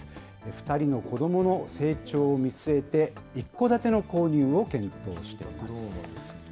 ２人の子どもの成長を見据えて、一戸建ての購入を検討しています。